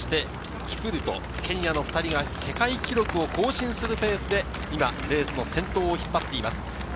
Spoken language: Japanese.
キプルト、ケニアの２人が世界記録を更新するペースで今レースの先頭を引っ張っています。